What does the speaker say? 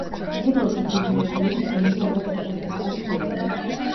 ევროპის დიდი რეგიონს დღემდე არ აქვს სპეციფიკური სახელი.